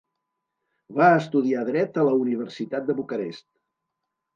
Va estudiar dret a la Universitat de Bucarest.